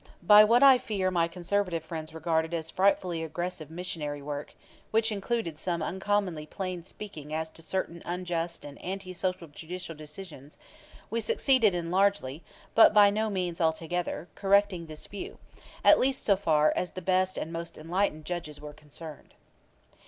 By what I fear my conservative friends regarded as frightfully aggressive missionary work, which included some uncommonly plain speaking as to certain unjust and anti social judicial decisions, we succeeded in largely, but by no means altogether, correcting this view, at least so far as the best and most enlightened judges were concerned.